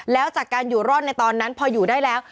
แล้วจากการอยู่รอดในตอนนั้นพออยู่ได้แล้ว